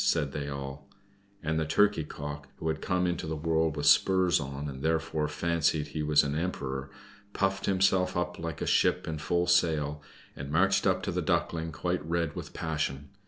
said they all. And the Turkey cock, who had come into the world with spurs on, and therefore fancied he was an emperor, puffed himself up like a ship in full sail, and marched up to the Duckling quite red with passion.